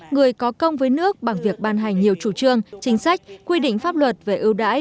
người có công với nước bằng việc ban hành nhiều chủ trương chính sách quy định pháp luật về ưu đãi